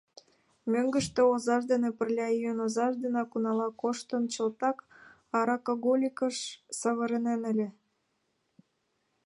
Мӧҥгыштӧ озаж дене пырля йӱын, озаж денак унала коштын, чылтак аракаголикыш савырнен ыле.